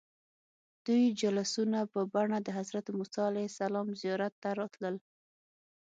دوی جلوسونه په بڼه د حضرت موسى علیه السلام زیارت ته راتلل.